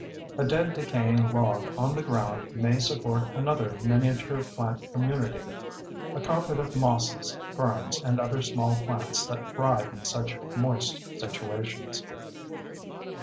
A dead, decaying log on the ground may support another miniature plant community—a carpet of mosses, ferns, and other small plants that thrive in such moist situations.